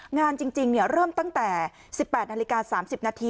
งานจริงจริงเนี่ยเริ่มตั้งแต่สิบแปดนาฬิกาสามสิบนาที